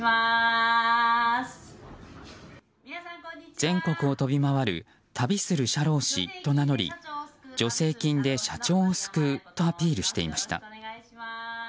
全国を飛び回る旅する社労士と名乗り助成金で社長を救うとアピールしていました。